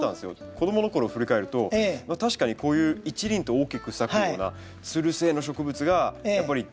子供の頃振り返ると確かにこういう一輪で大きく咲くようなつる性の植物がやっぱり思い出の中にあって。